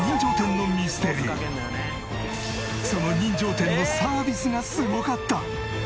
その人情店のサービスがすごかった！